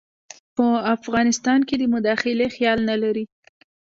په افغانستان کې د مداخلې خیال نه لري.